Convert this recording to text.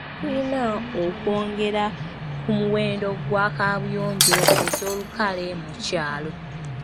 Tuyina okwongera ku muwendo gwa kabuyonjo ez'olukale mu kyalo.